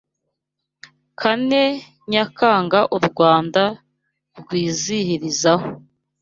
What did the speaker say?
kane Nyakanga u Rwanda rwizihirizaho